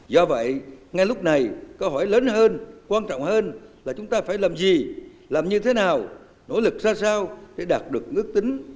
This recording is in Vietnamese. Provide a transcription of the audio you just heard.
do vậy ngay lúc này câu hỏi lớn hơn quan trọng hơn là chúng ta phải làm gì làm như thế nào nỗ lực ra sao để đạt được ước tính